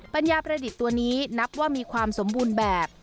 ปัญญาประดิษฐ์ตัวนี้นับว่ามีความสมบูรณ์แบบ